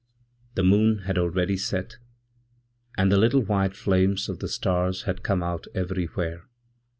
The moon had already set, and the little whiteflames of the stars had come out everywhere.